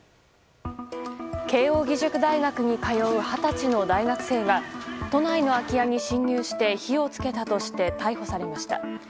慶應義塾大学に通う二十歳の大学生が都内の空き家に侵入して火を付けたとして逮捕されました。